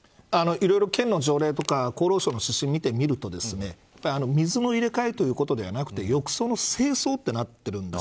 いろいろ県の条例とか厚労省の指針を見てみると水の入れ替えということではなく浴槽の清掃となっているんです。